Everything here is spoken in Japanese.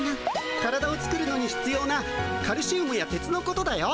体を作るのにひつようなカルシウムや鉄のことだよ。